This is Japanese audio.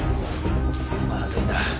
まずいな。